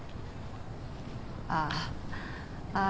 ああ。